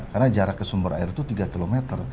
karena jarak ke sumber air itu tiga km